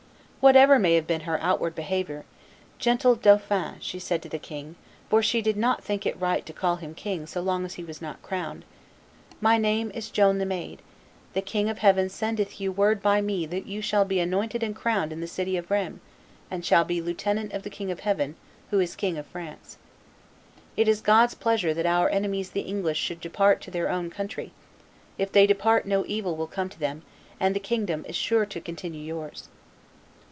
Whatever may have been her outward behavior, "Gentle dauphin," she said to the king (for she did not think it right to call him king so long as he was not crowned), "my name is Joan the maid; the King of Heaven sendeth you word by me that you shall be anointed and crowned in the city of Rheims, and shall be lieutenant of the King of Heaven, who is King of France. It is God's pleasure that our enemies the English should depart to their own country; if they depart no evil will come to them, and the kingdom is sure to continue yours."